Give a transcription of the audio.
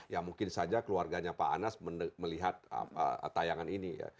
ya mungkin saja keluarganya pak anas melihat tayangan ini ya